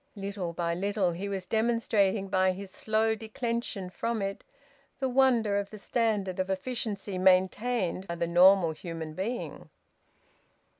Little by little he was demonstrating, by his slow declension from it, the wonder of the standard of efficiency maintained by the normal human being.